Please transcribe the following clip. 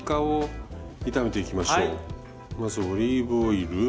まずオリーブオイル。